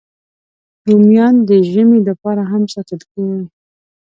رومیان د ژمي لپاره هم ساتل کېږي